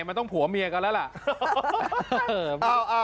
มันต้องผัวเมียกันแล้วล่ะ